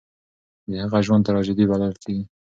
د هغه ژوند تراژيدي بلل کېږي.